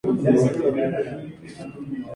En su cola se mezcla el verde y el azul.